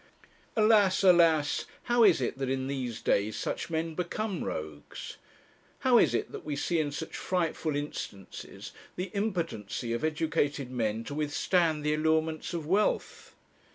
Alas, alas! how is it that in these days such men become rogues? How is it that we see in such frightful instances the impotency of educated men to withstand the allurements of wealth?